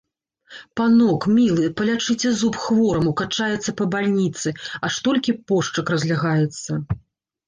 Панок, мілы, палячыце зуб хвораму, качаецца па бальніцы, аж толькі пошчак разлягаецца.